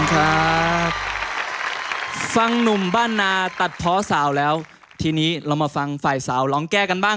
ขวัญใจคนจนหน้ามนต์คนเพชรจะเชื่อหัวนอนทุกคืน